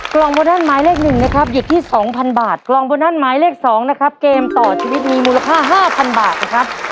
กล้องโบนัสหมายเลขหนึ่งนะครับอยู่ที่สองพันบาทกล้องโบนัสหมายเลขสองนะครับเกมต่อชีวิตมีมูลค่าห้าพันบาทนะครับ